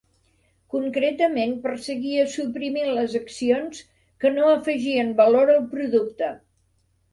Concretament perseguia suprimir les accions que no afegien valor al producte.